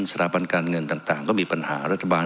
สถาบันการเงินต่างก็มีปัญหารัฐบาล